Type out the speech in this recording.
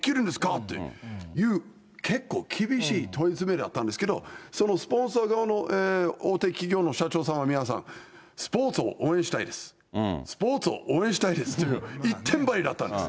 っていう、結構厳しい問い詰めだったんですけど、スポンサー側の大手企業の社長さんの皆さんは、スポーツを応援したいです、スポーツを応援したいですって、一点張りだったんです。